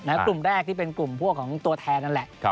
กลุ่มแรกที่เป็นกลุ่มพวกของตัวแทนนั่นแหละ